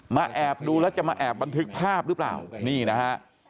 แอบดูแล้วจะมาแอบบันทึกภาพหรือเปล่านี่นะฮะ